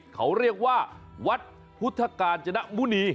เขาเรียกว่าวัดพุทธกาญจนมุณี